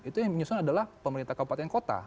itu yang menyusun adalah pemerintah kabupaten kota